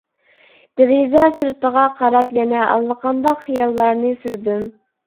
دېرىزە سىرتىغا قاراپ يەنە ئاللىقانداق خىياللارنى سۈردۈم.